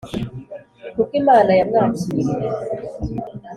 kuko Imana yamwakiriye